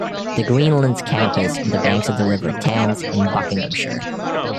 The Greenlands Campus, on the banks of the River Thames in Buckinghamshire.